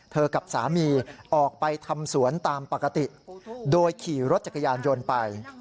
กับสามีออกไปทำสวนตามปกติโดยขี่รถจักรยานยนต์ไป